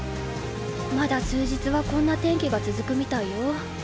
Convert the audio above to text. まだ数日はこんな天気が続くみたいよ。